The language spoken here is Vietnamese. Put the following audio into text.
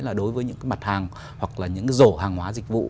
là đối với những cái mặt hàng